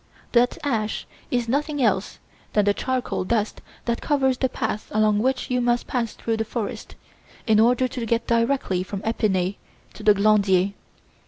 That ash is nothing else than the charcoal dust that covers the path along which you must pass through the forest, in order to get directly from Epinay to the Glandier.